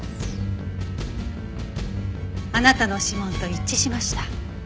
あなたの指紋と一致しました。